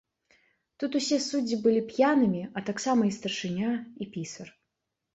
Тут усе суддзі былі п'янымі, а таксама і старшыня і пісар.